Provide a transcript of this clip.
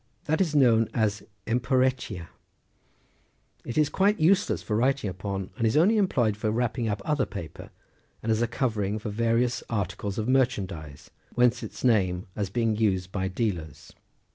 189 as "emporetica,"17 it is quite useless for writing upon, and is only employed for wrapping up other paper, and as a covering for various articles of merchandize, whence its name, as being used by dealers.